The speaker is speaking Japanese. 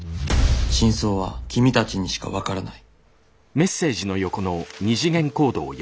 「真相は君たちにしかわからない」。